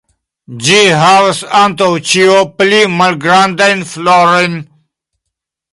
Ĝi havas antaŭ ĉio pli malgrandajn florojn.